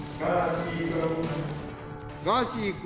ガーシー君。